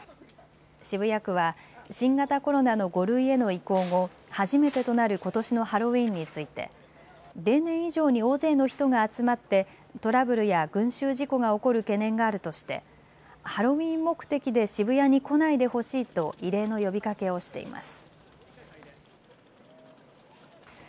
渋谷区は新型コロナの５類への移行後、初めてとなることしのハロウィーンについて例年以上に大勢の人が集まってトラブルや群集事故が起こる懸念があるとしてハロウィーン目的で渋谷に来ないでほしいと異例の呼びかけをしています。